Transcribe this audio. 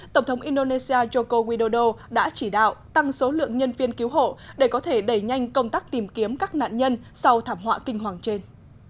tổng thống indonesia joko widodo đã chỉ đạo tăng số lượng nhân viên cứu hộ để có thể đẩy nhanh công tác tìm kiếm các nạn nhân sau thảm họa kinh hoàng trên